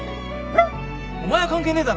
お前は関係ねえだろ。